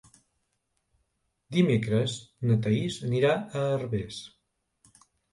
Dimecres na Thaís anirà a Herbers.